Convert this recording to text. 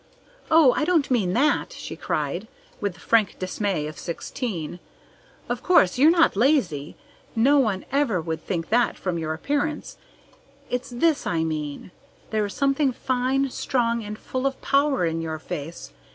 "Oh, I don't mean that!" she cried, with the frank dismay of sixteen. "Of course, you're not lazy! No one ever would think that from your appearance. It's this I mean: there is something fine, strong, and full of power in your face.